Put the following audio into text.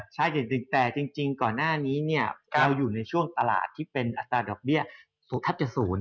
ใช่แต่จริงก่อนหน้านี้เราอยู่ในช่วงตลาดที่เป็นอัตราดอกเบี้ยทักจะศูนย์